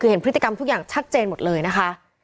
คือเห็นพฤติกรรมทุกอย่างชัดเจนหมดเลยนะคะ